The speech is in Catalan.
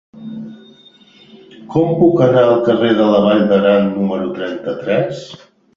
Com puc anar al carrer de la Vall d'Aran número trenta-tres?